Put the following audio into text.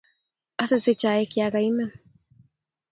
Asase chaik ya kaimen.